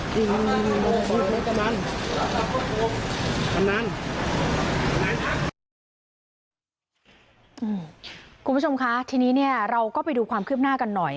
คุณผู้ชมคะทีนี้เนี่ยเราก็ไปดูความคืบหน้ากันหน่อย